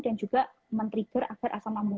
dan juga men trigger agar asam lambung